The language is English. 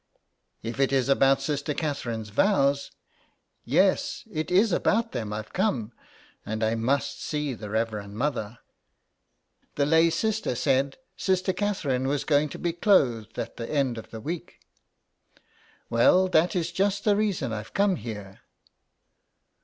'''' If it is about Sister Catherine's vows ."*' Yes, it is about them I've come, and I must see the Reverend Mother." 139 THE EXILE. The lay sister said Sister Catherine was going to be clothed at the end of the week. " Well, that is just the reason I've come here."